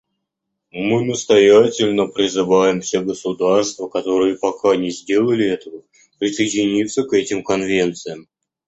Мы настоятельно призываем все государства, которые пока не сделали этого, присоединиться к этим конвенциям.